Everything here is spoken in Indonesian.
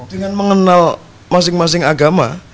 dengan mengenal masing masing agama